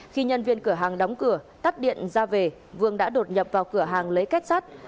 khi nhân viên cửa hàng đóng cửa tắt điện ra về vương đã đột nhập vào cửa hàng lấy kết sắt